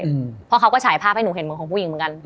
เพราะเขาก็ฉายภาพให้หนูเห็นเหมือนของผู้หญิงเหมือนกัน